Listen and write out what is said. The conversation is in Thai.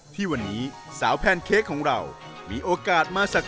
ที่วันนี้สาวแพนเค้กของเรา